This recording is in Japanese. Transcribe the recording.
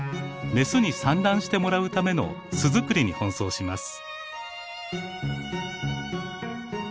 メスに産卵してもらうための巣作りに奔走します。